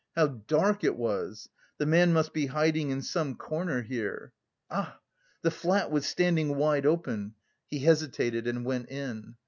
How dark it was! The man must be hiding in some corner here. Ah! the flat was standing wide open, he hesitated and went in.